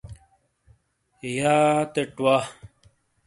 یا تٹ وا